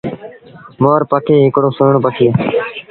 مور پکي هڪڙو سُهيٚڻون پکي اهي۔